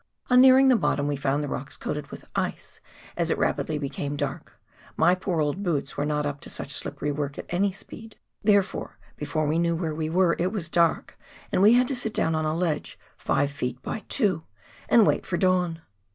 On nearing the bottom we found the rocks coated with ice as it rapidly became dark ; my poor old boots were not up to such sKppery work at any speed, therefore before we knew where we were, it was dark, and we had to sit down on a ledge five feet by two, and wait for dawn.